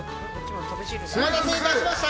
お待たせいたしました！